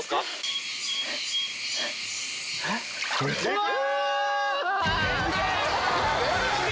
うわ！